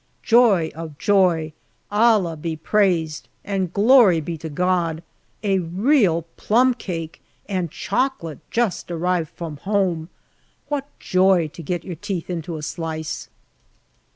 Joy of joy ! Allah be praised ! and glory be to God ! a real plum cake and chocolate just arrived from home. What joy to get your teeth into a slice